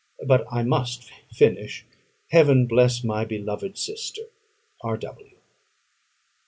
But I must finish. Heaven bless my beloved sister! R. W.